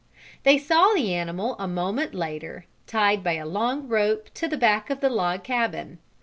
They saw the animal a moment later, tied by a long rope to the back of the log cabin.